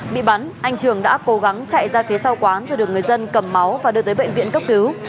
bị bắn anh trường đã cố gắng chạy ra phía sau quán rồi được người dân cầm máu và đưa tới bệnh viện cấp cứu